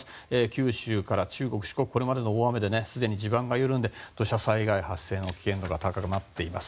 九州から中国・四国はすでに地盤が緩んで土砂災害発生の危険度が高くなっています。